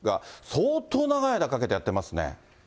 相当長い間かけてやってますね。